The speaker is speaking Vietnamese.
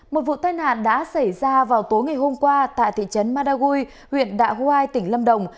một vụ tai nạn đã xảy ra vào tối ngày hôm qua tại thị trấn madagui huyện đạ hoai tỉnh lâm đồng